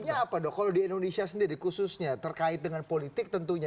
artinya apa dok kalau di indonesia sendiri khususnya terkait dengan politik tentunya